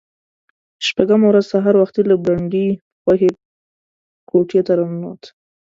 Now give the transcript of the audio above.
شپږمه ورځ سهار وختي له برنډې په خوښۍ کوټې ته را ننوت.